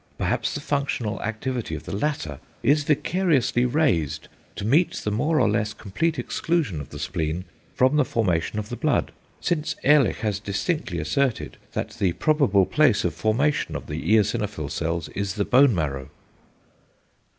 Perhaps the functional activity of the latter is vicariously raised to meet the more or less complete exclusion of the spleen from the formation of the blood; since Ehrlich has distinctly asserted that the probable place of formation of the eosinophil cells is the bone marrow."